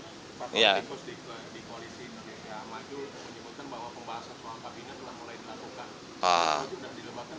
pak kalau dikos dikoalisiin ya maju menyebutkan bahwa pembahasan soal kabinnya telah mulai dilakukan